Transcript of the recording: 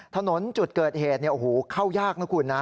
ถนนจุดเกิดเหตุเข้ายากนะคุณนะ